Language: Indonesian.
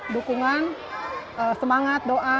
dukungan semangat doa